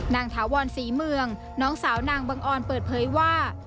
ถาวรศรีเมืองน้องสาวนางบังออนเปิดเผยว่า